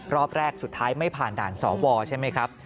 รอบแรกสุดท้ายไม่ผ่านด่านสวใช่ไหมครับ